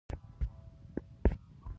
په بل ګام کې د زده کړو لپاره انګېزه لري.